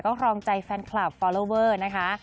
ครองใจแฟนคลับฟอลลอเวอร์นะคะ